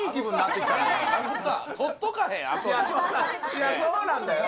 いやそうなんだよ